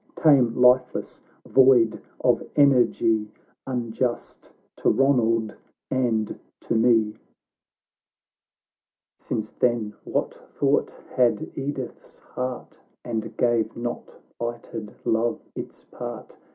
Tame, lifeless, void of energy, Unjust to Ilonald and to me ! XI " Since then, what thought had Edith's heart, And gave not plighted love its part